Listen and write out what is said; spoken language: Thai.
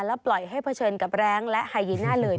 แล้วปล่อยให้เผชิญกับแร้งและหายยิ่งหน้าเร่ย